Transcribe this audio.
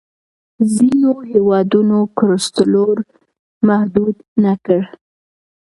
ځینو هېوادونو کلسترول محدود نه کړ.